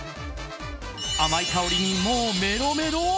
甘い香りにもうメロメロ！